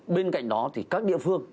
bên cạnh đó thì các địa phương